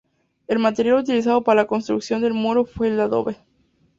El material utilizado para la construcción del muro fue el adobe.